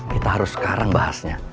kita harus sekarang bahasnya